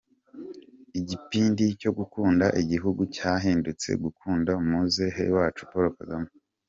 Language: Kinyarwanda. Igipindi cyo gukunda igihugu cyahindutse gukunda muzehe wacu Paulo Kagame.